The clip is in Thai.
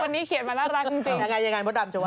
คนนี้เขียนมารักจนจริงยังไงบ๊อตอำจะว่า